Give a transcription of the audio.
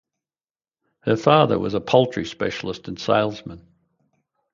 Her father was a poultry specialist and salesman.